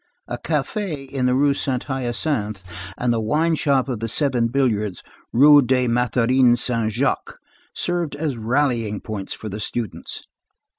A café in the Rue Saint Hyacinthe and the wine shop of the Seven Billiards, Rue des Mathurins Saint Jacques, served as rallying points for the students.